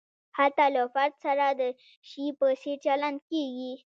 هلته له فرد سره د شي په څېر چلند کیږي.